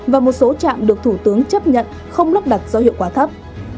và một số trạm được thủ tướng chấp nhận không lắp đặt do hiệu quả thấp